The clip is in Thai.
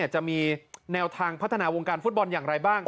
จะมีแนวทางพัฒนาวงการฟุตบอลอย่างไรบ้าง